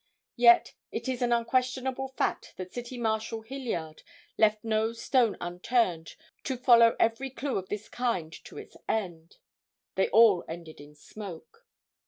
Yet it is an unquestionable fact that City Marshal Hilliard left no stone unturned to follow every clue of this kind to its end. They all ended in smoke.